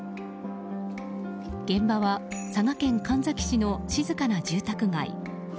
現場は佐賀県神埼市の静かな住宅街。